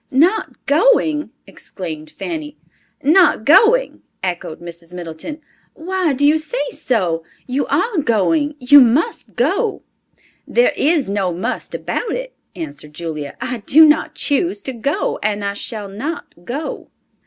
"Not going!" exclaimed Fanny. "Not going!" echoed Mrs. Middleton. "Why do you say so? You are going, you must go!" "There is no must about it," answered Julia; "I do not choose to go, and I shall not go!"